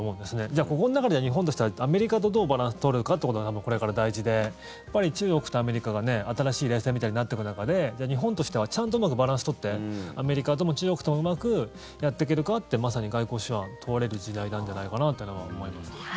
じゃあ、心の中では日本としてはアメリカとどうバランスを取るかっていうことがこれから大事でやっぱり中国とアメリカが新しい冷戦みたいになっていく中で日本としてはちゃんとうまくバランスを取ってアメリカとも中国ともうまくやっていけるかってまさに外交手腕問われる時代なんじゃないかって思います。